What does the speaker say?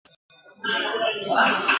که څه هم چي په سینو کي به لرو غښتلي زړونه !.